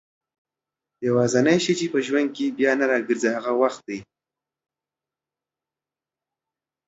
يوازينی شی چي په ژوند کي بيا نه راګرځي هغه وخت دئ